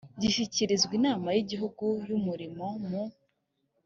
gishyikirizwa inama y igihugu y umurimo mu